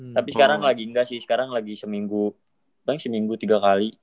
tapi sekarang lagi enggak sih sekarang lagi seminggu paling seminggu tiga kali